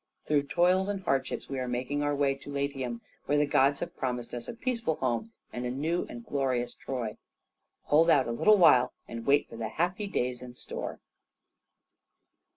Through toils and hardships we are making our way to Latium, where the gods have promised us a peaceful home and a new and glorious Troy. Hold out a little while, and wait for the happy days in store."